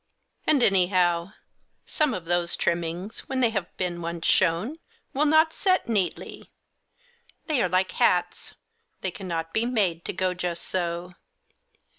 And, anyhow, some of those trimmings, when they have been once shown, will not set neatly ; they are like hats, they cannot be made to go just so.